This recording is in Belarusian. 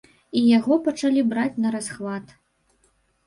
І яго пачалі браць нарасхват.